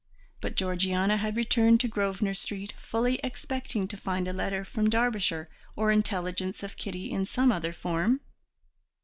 But Georgiana had returned to Grosvenor Street fully expecting to find a letter from Derbyshire, or intelligence of Kitty in some other form.